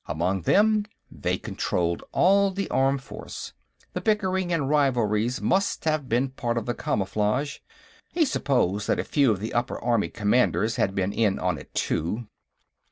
Among them, they controlled all the armed force. The bickering and rivalries must have been part of the camouflage. He supposed that a few of the upper army commanders had been in on it, too.